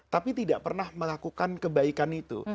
tapi tidak pernah melakukan kebaikan itu